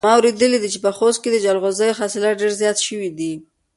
ما اورېدلي دي چې په خوست کې د جلغوزیو حاصلات ډېر زیات شوي دي.